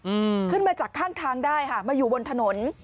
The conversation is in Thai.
อืมขึ้นมาจากข้างทางได้ค่ะมาอยู่บนถนน